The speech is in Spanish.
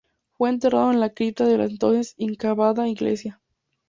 Fue enterrado en la cripta de la entonces inacabada iglesia.